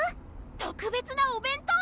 特別なお弁当⁉